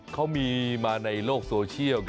เขามีมาในโลกโซเชียล